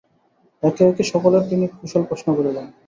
একে একে সকলের তিনি কুশল প্রশ্ন করিলেন।